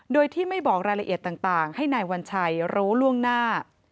โดยที่ไม่บอกรายละเอียดต่างให้นายวัญชัยรู้ล่วงหน้า